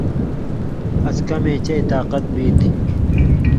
اَس کمے چئ طاقت بی تھی۔